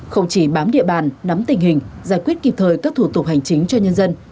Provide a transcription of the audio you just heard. không chỉ bám địa bàn nắm tình hình giải quyết kịp thời các thủ tục hành chính cho nhân dân